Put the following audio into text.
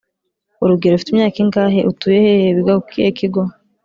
Urugero: Ufite imyaka ingahe? Utuye hehe? Wiga ku kihe kigo?